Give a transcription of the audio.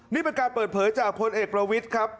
นี่เป็นการเปิดเผยจากพลเอกประวิทย์ครับ